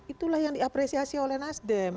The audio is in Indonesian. itulah yang diapresiasi oleh nasdem